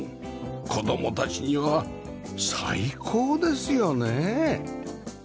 子供たちには最高ですよね